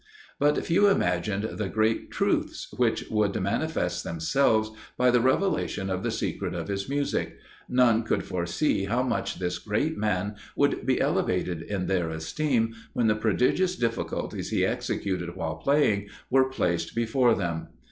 But few imagined the great truths which would manifest themselves by the revelation of the secret of his music none could foresee how much this great man would be elevated in their esteem when the prodigious difficulties he executed while playing, were placed before them.